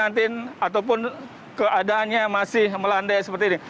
ataupun keadaannya masih melandai seperti ini